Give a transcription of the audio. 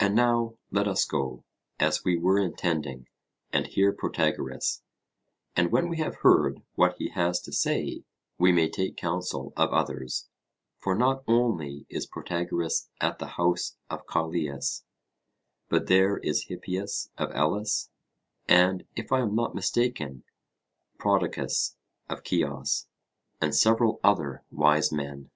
And now let us go, as we were intending, and hear Protagoras; and when we have heard what he has to say, we may take counsel of others; for not only is Protagoras at the house of Callias, but there is Hippias of Elis, and, if I am not mistaken, Prodicus of Ceos, and several other wise men.